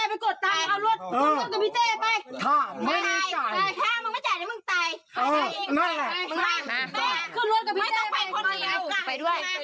เอาอีกคนไป